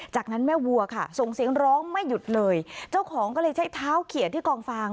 จากนั้นแม่วัวค่ะส่งเสียงร้องไม่หยุดเลยเจ้าของก็เลยใช้เท้าเขียนที่กองฟาง